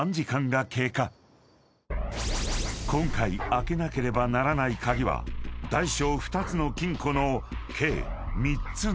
［今回開けなければならない鍵は大小２つの金庫の計３つの鍵］